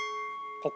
ここ。